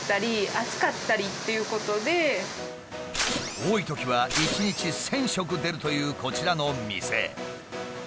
多いときは１日１，０００食出るというこちらの店。